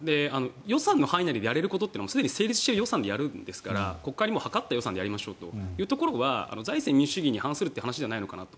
予算の範囲内でやれることは成立している予算でするんですから国会に諮った予算でやりましょうというところは財政民主主義に反するという話じゃないのかと。